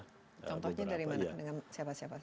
contohnya dari mana dengan siapa siapa